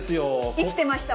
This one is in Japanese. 生きてました、私。